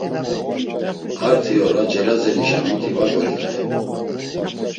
Arti ora Celazenişa miti var golikten.